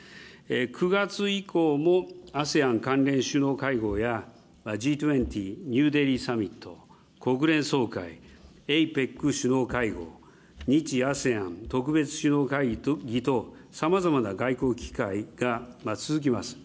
９月以降もＡＳＥＡＮ関連首脳会合や、Ｇ２０ニューデリーサミット、国連総会、ＡＰＥＣ首脳会合、日・ＡＳＥＡＮ特別首脳会議と、さまざまな外交機会が続きます。